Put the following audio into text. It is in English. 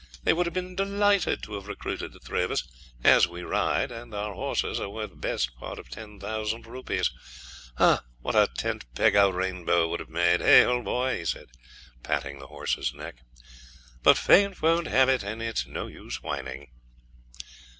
They would have been delighted to have recruited the three of us, as we ride, and our horses are worth best part of ten thousand rupees. What a tent pegger Rainbow would have made, eh, old boy?' he said, patting the horse's neck. 'But Fate won't have it, and it's no use whining.'